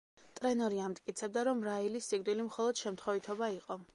ტრენორი ამტკიცებდა, რომ რაილის სიკვდილი მხოლოდ შემთხვევითობა იყო.